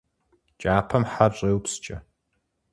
Кӏапэм хьэр щӏеупскӏэ.